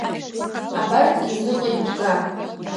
Абарҭгьы аҩныҟа ижәга!